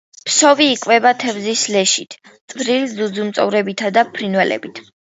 ფსოვი იკვებება თევზებით, ლეშით, წვრილი ძუძუმწოვრებითა და ფრინველებით.